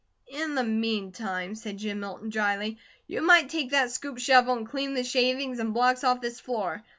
"In the meantime," said Jim Milton dryly, "you might take that scoop shovel and clean the shavings and blocks off this floor.